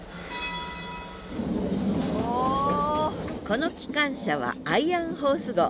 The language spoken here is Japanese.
この機関車は「アイアンホース号」。